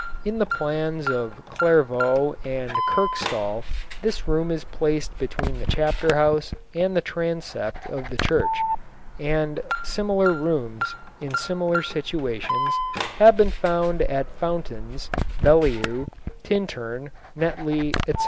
In the plans of Clairvaux and Kirkstall this room is placed between the chapter house and the transept of the church; and similar rooms, in similar situations, have been found at Fountains, Beaulieu, Tintern, Netley, etc."